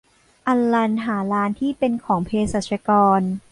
อัลลันหาร้านที่เป็นของเภสัชกร